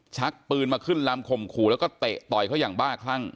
ชักปืนมาขึ้นลำข่มขู่แล้วก็เตะต่อยเขาอย่างบ้าคลั่ง